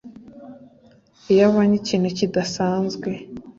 Iyo abonye ikintu kidasanzwe